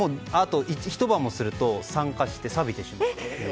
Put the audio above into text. ひと晩もすると酸化してさびてしまう。